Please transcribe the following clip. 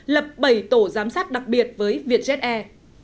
lập bảy tổ giám sát đặc biệt với vietjet air